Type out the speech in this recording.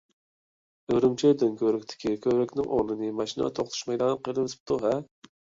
ئۈرۈمچى دۆڭكۆۋرۈكتىكى كۆۋرۈكنىڭ ئورنىنى ماشىنا توختىتىش مەيدانى قىلىۋېتىپتۇ-ھە.